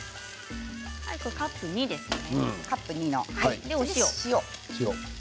カップ２ですね。